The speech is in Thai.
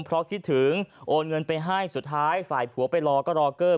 เพราะคิดถึงโอนเงินไปให้สุดท้ายฝ่ายผัวไปรอก็รอเกอร์